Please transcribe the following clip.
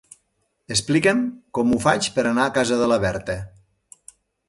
Explica'm com ho faig per anar a casa de la Berta.